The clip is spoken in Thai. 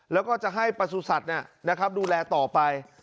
แล้วก็จะให้ประสุนสัตว์นะครับดูแลต่อไป